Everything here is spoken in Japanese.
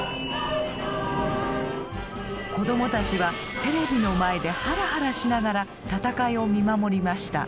子供たちはテレビの前でハラハラしながら戦いを見守りました。